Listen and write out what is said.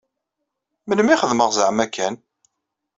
Melmi i xedmeɣ zeɛma akken?